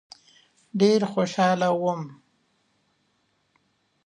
ډېر خوشاله وم.